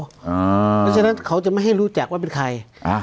เพราะฉะนั้นเขาจะไม่ให้รู้จักว่าเป็นใคร